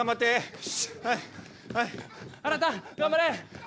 あなた頑張れ！